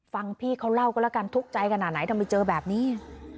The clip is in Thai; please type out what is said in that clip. ฟังพี่เขาเล่ากันแล้วกันทุกข์ใจขนาดไหนทำไมเจอแบบนี้